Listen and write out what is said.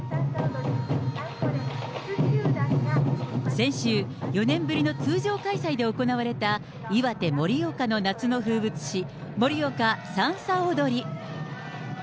先週、４年ぶりの通常開催で行われた、岩手・盛岡の夏の風物詩、盛岡さんさ踊り。